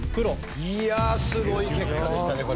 いやあすごい結果でしたね